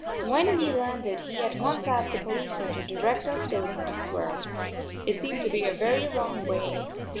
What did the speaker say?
When we landed he at once asked a policeman to direct us to Lincoln Square. It seemed to be a very long way.